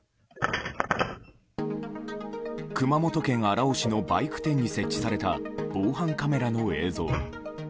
熊本県荒尾市のバイク店に設置された防犯カメラの映像。